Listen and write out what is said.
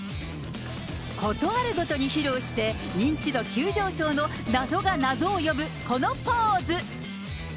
ことあるごとに披露して、認知度急上昇の謎が謎を呼ぶこのポーズ。